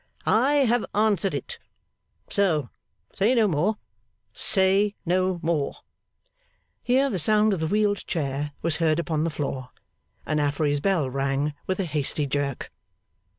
'I have answered it. So, say no more. Say no more.' Here the sound of the wheeled chair was heard upon the floor, and Affery's bell rang with a hasty jerk.